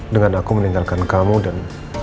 dengan aku meninggalkan kamu dan